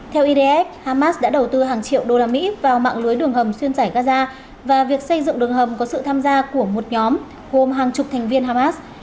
theo idf hamas đã đầu tư hàng triệu đô la mỹ vào mạng lưới đường hầm xuyên giải gaza và việc xây dựng đường hầm có sự tham gia của một nhóm gồm hàng chục thành viên hamas